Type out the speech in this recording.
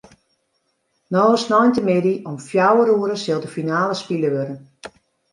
No sneintemiddei om fjouwer oere sil de finale spile wurde.